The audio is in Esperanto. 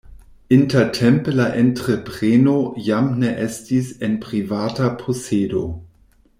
Intertempe la entrepreno jam ne estis en privata posedo.